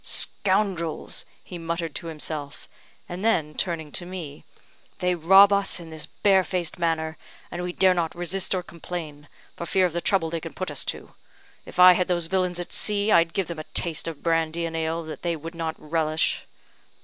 "Scoundrels!" he muttered to himself; and then turning to me, "They rob us in this barefaced manner, and we dare not resist or complain, for fear of the trouble they can put us to. If I had those villains at sea, I'd give them a taste of brandy and ale that they would not relish."